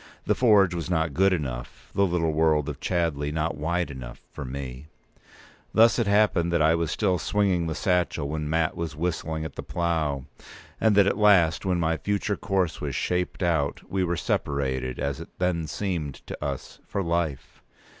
The forge was not good enough, the little world of Chadleigh not wide enough, for me. Thus it happened that I was still swinging the satchel when Mat was whistling at the plough, and that at last, when my future course was shaped out, we were separated, as it then seemed to us, for life.